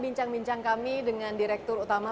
bincang bincang kami dengan direktur utama